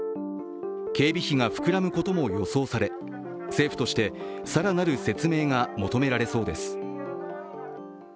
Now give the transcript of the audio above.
警備費が膨らむことも予想され政府として更なる説明が求められそうです。